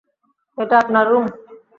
এটা আপনার রুম।